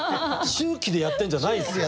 周期でやってんじゃないんすよ。